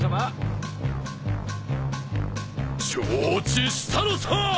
承知したのさ！